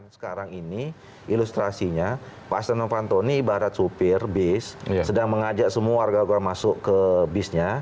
sekarang ini ilustrasinya pak setenovanto ini ibarat supir bis sedang mengajak semua warga warga masuk ke bisnya